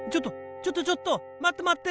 ちょっとちょっと待って待って！